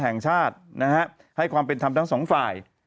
แห่งชาตินะฮะให้ความเป็นธรรมทั้งสองฝ่าย